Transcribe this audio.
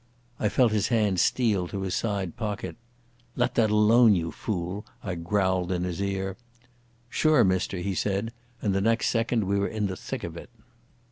I felt his hand steal to his side pocket. "Let that alone, you fool," I growled in his ear. "Sure, mister," he said, and the next second we were in the thick of it.